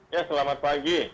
ya selamat pagi